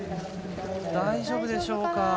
大丈夫でしょうか。